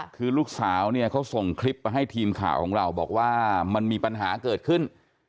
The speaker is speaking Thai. คือลูกสาวเนี่ยเขาส่งคลิปมาให้ทีมข่าวของเราบอกว่ามันมีปัญหาเกิดขึ้น